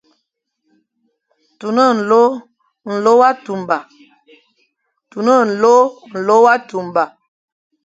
Tun nlô, nlô wa tunba.